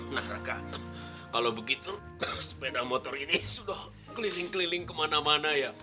nah rekan kalau begitu sepeda motor ini sudah keliling keliling kemana mana ya